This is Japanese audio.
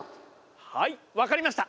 はい分かりました。